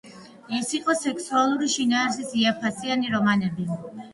ეს იყო სექსუალური შინაარსის იაფფასიანი რომანები.